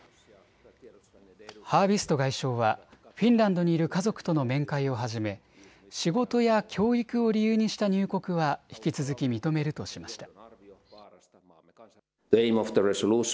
ハービスト外相はフィンランドにいる家族との面会をはじめ仕事や教育を理由にした入国は引き続き認めるとしました。